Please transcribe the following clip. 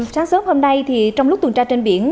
sáng sớm hôm nay trong lúc tuần tra trên biển